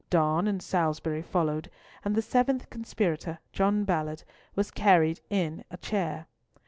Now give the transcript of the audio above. Donne and Salisbury followed; and the seventh conspirator, John Ballard, was carried in a chair.